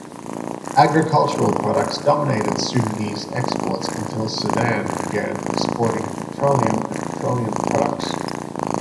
Agricultural products dominated Sudanese exports until Sudan began to export petroleum and petroleum products.